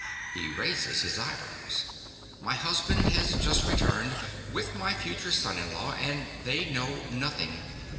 (He raises his eyebrows.) My husband has just returned, with my future son in law; and they know nothing.